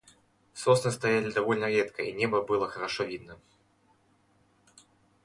Сосны стояли довольно редко и небо было хорошо видно.